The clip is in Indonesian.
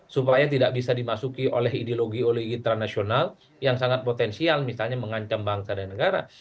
supaya tidak bisa dimasuki oleh ideologi ideologi internasional yang sangat potensial misalnya mengancam bangsa dan negara